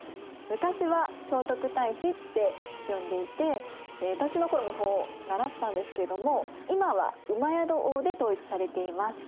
昔は聖徳太子って呼んでいて私の頃もそう習ったんですけれども今は戸王で統一されています。